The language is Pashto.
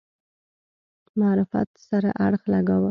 معرفت سره اړخ لګاوه.